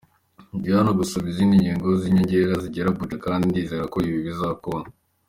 Ndi hano gusaba izindi ngendo z’inyongera zigera Abuja kandi ndizera ko ibi bizakunda.